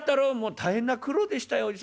「大変な苦労でしたよおじさん」。